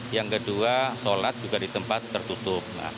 yang kedua sholat juga di tempat tertutup